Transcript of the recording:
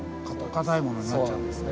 かたいものになっちゃうんですね。